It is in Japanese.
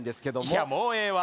いやもうええわ。